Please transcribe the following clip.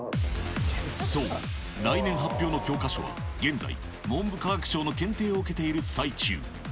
そう、来年発表の教科書は現在、文部科学省の検定を受けている最中。